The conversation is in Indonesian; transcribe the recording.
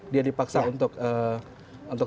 dia dipaksa untuk